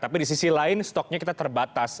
tapi di sisi lain stoknya kita terbatas